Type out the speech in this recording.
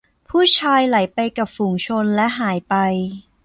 ผู้ชายไหลไปกับฝูงชนและหายไป